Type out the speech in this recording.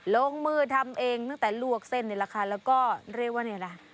ลงมือทำเองตั้งแต่ลวกเส้นนี่แหละค่ะแล้วก็เรียกว่านี่แหละ